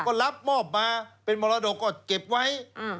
ก็รับมอบมาเป็นมรดกก็เก็บไว้